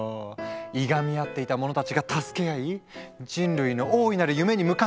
いがみ合っていた者たちが助け合い人類の大いなる夢に向かって突き進む！